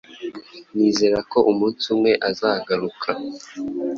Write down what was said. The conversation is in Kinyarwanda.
nizera ko umunsi umwe azagaruka